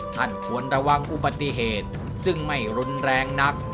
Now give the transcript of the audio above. ควรระวังอุบัติเหตุซึ่งไม่รุนแรงนัก